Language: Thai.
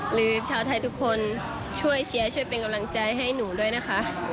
หรือชาวไทยทุกคนช่วยเชียร์ช่วยเป็นกำลังใจให้หนูด้วยนะคะ